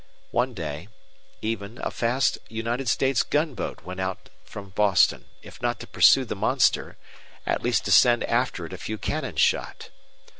One day, even, a fast United States gun boat went out from Boston, if not to pursue the monster, at least to send after it a few cannon shot.